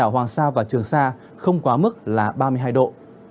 hoàng sa và trường sa không quá mức là ba mươi hai độ